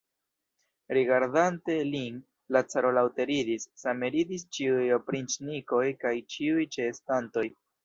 Rigardante lin, la caro laŭte ridis, same ridis ĉiuj opriĉnikoj kaj ĉiuj ĉeestantoj.